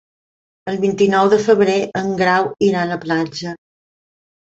El vint-i-nou de febrer en Grau irà a la platja.